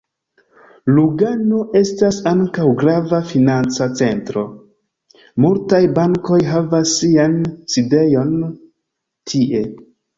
Lugano estas ankaŭ grava financa centro: multaj bankoj havas sian sidejon tie.